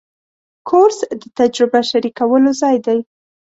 کورس د تجربه شریکولو ځای دی.